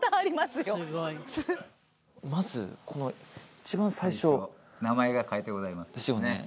まずこの一番最初名前が書いてございますですよね